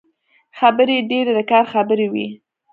خبرې يې ډېرې د کار خبرې وې.